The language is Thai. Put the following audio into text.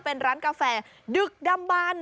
เป็นร้านกาแฟดึกดำบัน